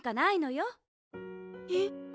えっ？